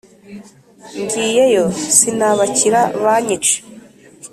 ngiyeyo sinabakira banyica.»